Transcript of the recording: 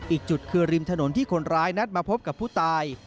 อีกจุดคือริมถนนที่คนร้ายนัดมาพบกับผู้ตาย